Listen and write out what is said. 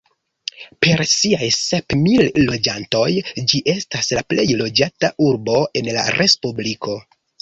Per siaj sep mil loĝantoj ĝi estas la plej loĝata urbo en la respubliko.